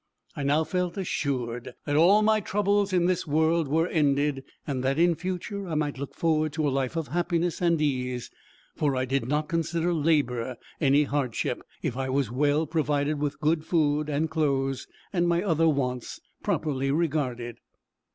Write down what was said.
I now felt assured that all my troubles in this world were ended, and that, in future, I might look forward to a life of happiness and ease, for I did not consider labor any hardship, if I was well provided with good food and clothes, and my other wants properly regarded.